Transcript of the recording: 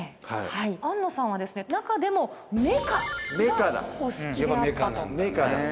庵野さんは中でもメカがお好きであったと。